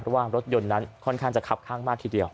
เพราะว่ารถยนต์นั้นค่อนข้างจะคับข้างมากทีเดียว